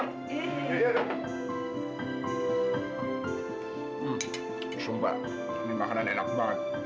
sumpah ini makanan enak banget